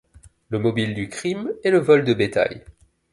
Le mobile du crime est le vol de bétail.